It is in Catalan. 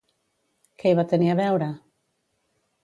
Què hi va tenir a veure?